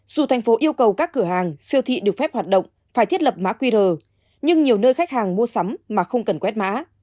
dù thành phố yêu cầu các cửa hàng siêu thị được phép hoạt động phải thiết lập mã qr nhưng nhiều nơi khách hàng mua sắm mà không cần quét mã